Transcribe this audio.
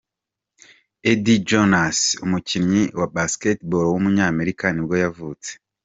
Eddie Jones, umukinnyi wa Basketball w’umunyamerika nibwo yavutse.